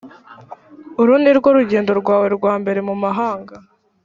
uru nirwo rugendo rwawe rwa mbere mumahanga?